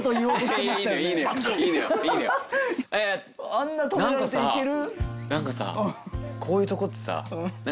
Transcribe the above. あんな止められていける？